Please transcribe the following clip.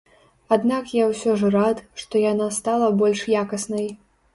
Аднак я ўсё ж рад, што яна стала больш якаснай.